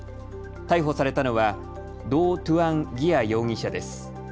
逮捕されたのはドー・トゥアン・ギア容疑者です。